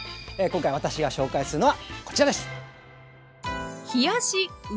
今回私が紹介するのはこちらです！